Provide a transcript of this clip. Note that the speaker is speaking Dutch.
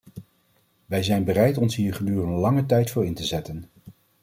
Wij zijn bereid ons hier gedurende lange tijd voor in te zetten.